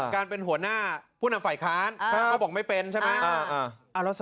คาร์ส๗วันดอมยังไม่มีเวลาเลย